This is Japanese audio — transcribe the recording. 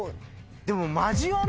でも。